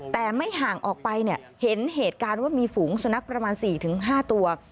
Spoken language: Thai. แต่ไม่ห่างออกไปเนี่ยเห็นเหตุการณ์ว่ามีฝูงสุนัขประมาณ๔๕ตัว